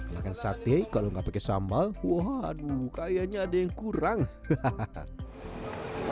makan sate kalau nggak pakai sambal waduh kayaknya ada yang kurang hahaha